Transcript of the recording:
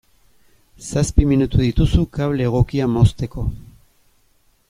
Zazpi minutu dituzu kable egokia mozteko.